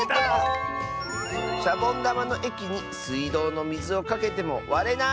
「シャボンだまのえきにすいどうのみずをかけてもわれない！」。